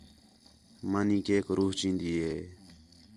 مانی کیک روح چین٘دی ہی